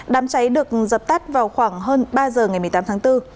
đám cháy được dập tắt vào khoảng hơn ba giờ ngày một mươi tám tháng bốn